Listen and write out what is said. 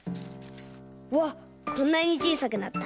うわっこんなにちいさくなった。